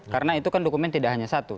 karena itu kan dokumen tidak hanya satu